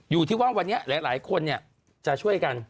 อยู่ที่ว่าวันนี้หลายคนจะช่วยกัน